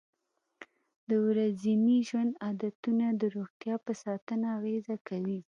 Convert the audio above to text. د ورځني ژوند عادتونه د روغتیا په ساتنه اغېزه کوي.